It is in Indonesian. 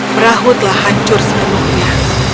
perahu telah hancur semuluhnya